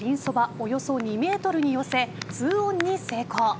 およそ２ｍに寄せツーオンに成功。